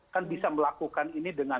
kan bisa melakukan ini dengan